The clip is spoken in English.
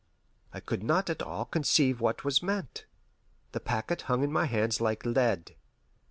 I could not at all conceive what was meant. The packet hung in my hands like lead.